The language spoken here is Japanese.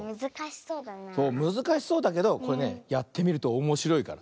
そうむずかしそうだけどこれねやってみるとおもしろいから。